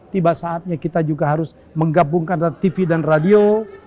tiba saatnya kita juga harus menggabungkan tv dan radio